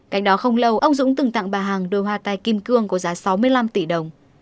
cạnh đó không lâu ông dũng từng tặng bà hàng đôi hoa tai kim cương có giá sáu mươi năm tỷ đồng